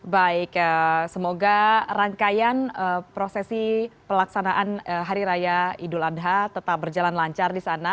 baik semoga rangkaian prosesi pelaksanaan hari raya idul adha tetap berjalan lancar di sana